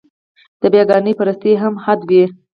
د بېګانه پرستۍ هم حد وي